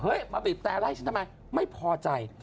มาบีบแต่ไล่ฉันทำไมไม่พอใจ